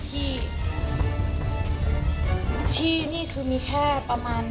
ไม่ได้มีเจตนาที่จะเล่ารวมหรือเอาทรัพย์ของคุณ